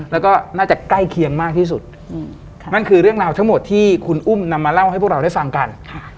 แล้วก็น่าจะใกล้เคียงมากที่สุดนั่นคือเรื่องราวทั้งหมดที่คุณอุ้มนำมาเล่าให้พวกเราได้ฟังกัน